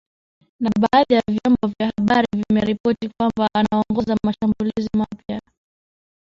Na baadhi ya vyombo vya habari vimeripoti kwamba anaongoza mashambulizi mapya